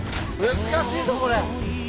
難しいぞこれ。